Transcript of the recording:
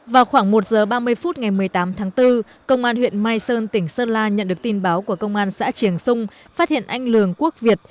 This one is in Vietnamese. vào khoảng một giờ ba mươi phút ngày một mươi tám tháng bốn công an huyện mai sơn tỉnh sơn la nhận được tin báo của công an xã triềng xung phát hiện anh lường quốc việt